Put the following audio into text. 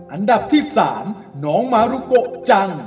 อันดับที่๓น้องมารุโกะจัง